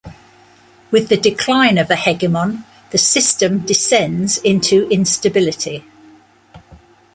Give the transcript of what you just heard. With the decline of a hegemon, the system descends into instability.